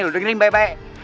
lo dengerin baik baik